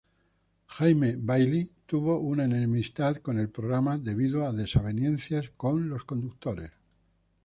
Jaime Bayly tuvo una enemistad con el programa debido a desavenencias con los conductores.